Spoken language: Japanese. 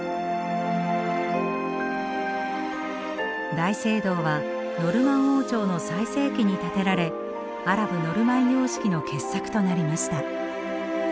大聖堂はノルマン王朝の最盛期に建てられアラブ・ノルマン様式の傑作となりました。